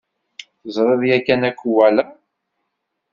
Teẓriḍ yakan akuwala?